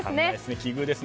奇遇ですね。